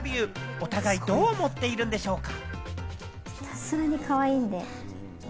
お互いどう思っているんでしょうか？